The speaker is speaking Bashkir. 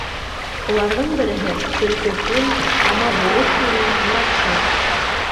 Уларҙың береһе — төлкө тун, ҡама бүрек кейгәне — Моратша.